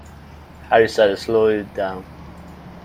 Harry sat slowly down.